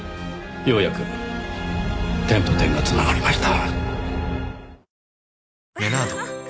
ようやく点と点が繋がりました。